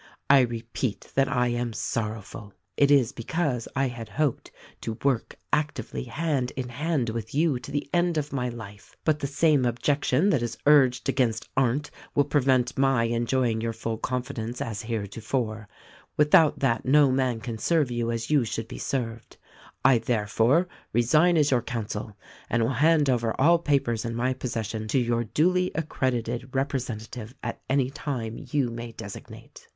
I repeat that I am sorrowful. It is because I had hoped to work actively hand in hand with you to the end of my life. But the same objection that is urged against Arndt will pre vent my enjoying your full confidence as heretofore — without that no man can serve you as you should be served — I there fore resign as your counsel and will hand over all papers in my possession to your duly accredited representative at any time you may designate."